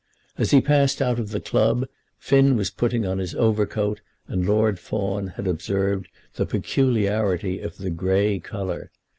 As he passed out of the club Finn was putting on his overcoat, and Lord Fawn had observed the peculiarity of the grey colour.